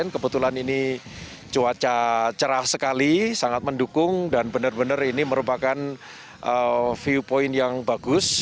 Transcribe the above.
kebetulan ini cuaca cerah sekali sangat mendukung dan benar benar ini merupakan view point yang bagus